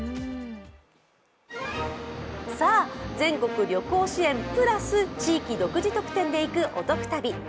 さぁ、全国旅行支援プラス地域独自特典で行くお得旅。